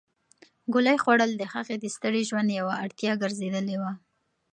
ګولۍ خوړل د هغې د ستړي ژوند یوه اړتیا ګرځېدلې وه.